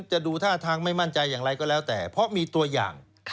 จะดูท่าทางไม่มั่นใจอย่างไรก็แล้วแต่เพราะมีตัวอย่าง